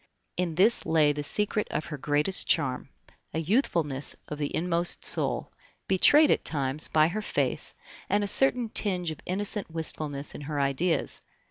In this lay the secret of her greatest charm, a youthfulness of the inmost soul, betrayed at times by her face, and a certain tinge of innocent wistfulness in her ideas.